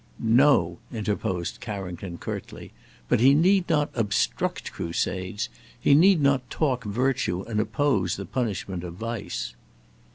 "No!" interposed Carrington, curtly; "but he need not obstruct crusades. He need not talk virtue and oppose the punishment of vice."